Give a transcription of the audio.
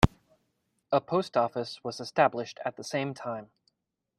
A post office was established at the same time.